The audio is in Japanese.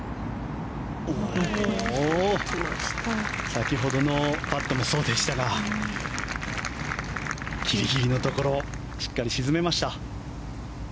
先ほどのパットもそうでしたがギリギリのところしっかり沈めました。